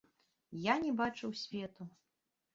Я не бачыў свету.